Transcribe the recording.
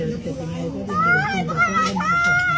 อารมณ์สุด่าร้ายสิ่งที่ให้พวกเราไม่ได้สนับสนาม